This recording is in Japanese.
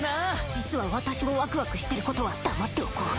実は私もワクワクしてることは黙っておこう。